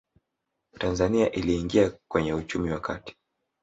tanzania iliingia kwenye uchumi wa kati